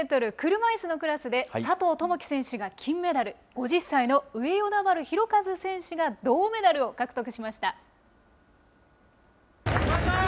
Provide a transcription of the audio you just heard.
車いすのクラスで、佐藤友祈選手が金メダル、５０歳の上与那原寛和選手が銅メダルを獲得しました。